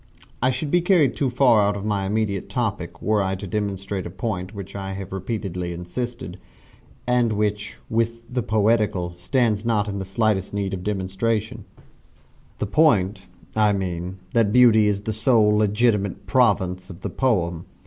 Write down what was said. I should be carried too far out of my immediate topic were I to demonstrate a point upon which I have repeatedly insisted, and which, with the poetical, stands not in the slightest need of demonstration the point, I mean, that Beauty is the sole legitimate province of the poem.